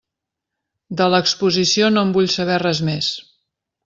De l'exposició no en vull saber res més!